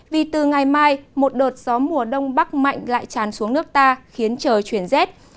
vì từ ngày mai một đợt gió mùa đông bắc mạnh lại tràn xuống nước ta khiến trời chuyển rét